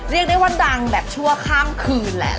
เรียกได้ว่าดังแบบชั่วข้ามคืนแหละ